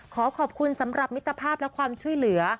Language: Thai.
ขอขอบคุณสำหรับมิตรภาพและความช่วยเหลือ